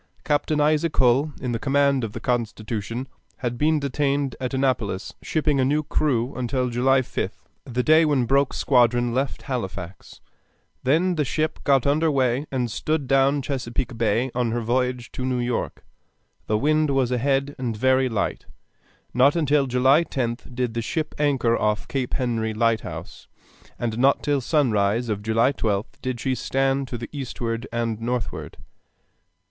Captain Isaac Hull, in command of the Constitution, had been detained at Annapolis shipping a new crew until July 5th, the day when Broke's squadron left Halifax; then the ship got under way and stood down Chesapeake Bay on her voyage to New York. The wind was ahead and very light. Not until July 10th did the ship anchor off Cape Henry lighthouse, and not till sunrise of July 12th did she stand to the eastward and northward.